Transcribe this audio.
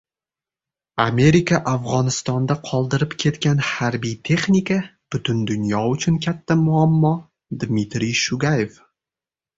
«Amerika Afg‘onistonda qoldirib ketgan harbiy texnika — butun dunyo uchun katta muammo» — Dmitriy Shugayev